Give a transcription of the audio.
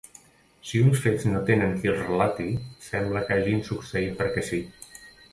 Si uns fets no tenen qui els relati sembla que hagin succeït perquè sí.